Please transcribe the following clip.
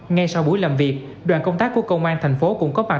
ngay sau buổi làm việc đoàn công tác của công an tp hcm cũng có mặt